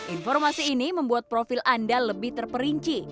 informasi ini membuat profil anda lebih terperinci